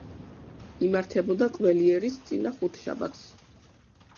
იმართებოდა ყველიერის წინა ხუთშაბათს.